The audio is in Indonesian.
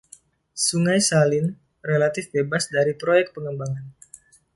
Sungai Saline relatif bebas dari proyek pengembangan.